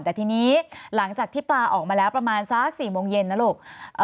แต่ทีนี้หลังจากที่ปลาออกมาแล้วประมาณสัก๔โมงเย็นนะลูก